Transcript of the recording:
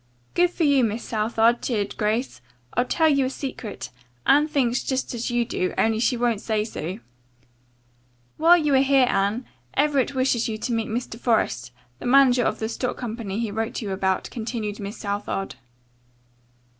"Good for you, Miss Southard," cheered Grace. "I'll tell you a secret. Anne thinks just as you do, only she won't say so." "While you are here, Anne, Everett wishes you to meet Mr. Forest, the manager of the stock company he wrote you about," continued Miss Southard.